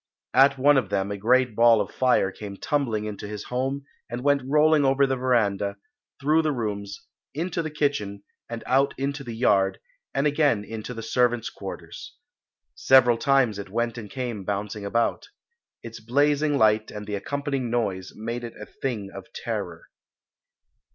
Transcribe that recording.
At one of them a great ball of fire came tumbling into his home and went rolling over the verandah, through the rooms, into the kitchen and out into the yard, and again into the servants' quarters. Several times it went and came bouncing about. Its blazing light and the accompanying noise made it a thing of terror.